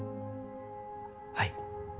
はい。